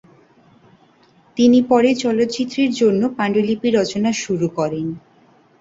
তিনি পরে চলচ্চিত্রের জন্য পাণ্ডুলিপি রচনা শুরু করেন।